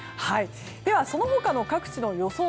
では、その他の各地の予想